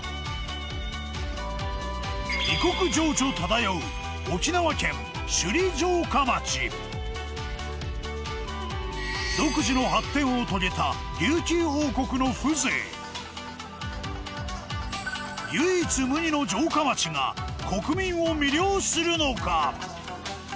異国情緒漂う独自の発展を遂げた唯一無二の城下町が国民を魅了するのか？